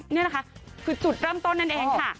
นี่นะคะคือจุดเริ่มต้นนั่นเองค่ะ